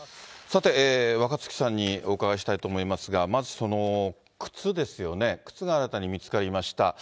さて、若槻さんにお伺いしたいと思いますが、まず、その靴ですよね、靴が新たに見つかりました。